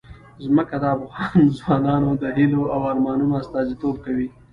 ځمکه د افغان ځوانانو د هیلو او ارمانونو استازیتوب کوي.